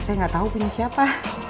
saya nggak tahu punya siapa